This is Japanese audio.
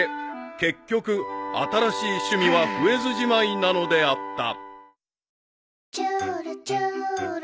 ［結局新しい趣味は増えずじまいなのであった］